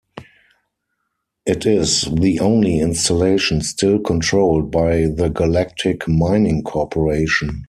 It is the only installation still controlled by the Galactic Mining corporation.